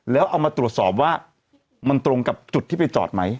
แล้วเอามาตรวจสอบว่ามันตรงกับจุดที่ไปจอดไหม